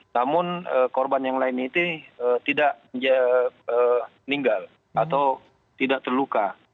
namun korban yang lain itu tidak meninggal atau tidak terluka